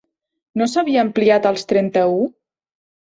No s'havia ampliat als trenta-u?